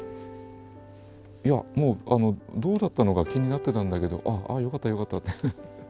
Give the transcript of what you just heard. いやもうどうだったのか気になってたんだけどああよかったよかったって。